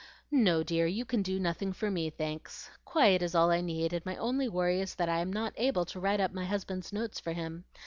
"No, dear, you can do nothing for me, thanks. Quiet is all I need, and my only worry is that I am not able to write up my husband's notes for him.